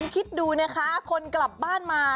คิดดูนะคะคนกลับบ้านมา